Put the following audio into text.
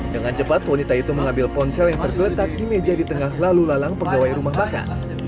dengan cepat wanita itu mengambil ponsel yang tergeletak di meja di tengah lalu lalang pegawai rumah makan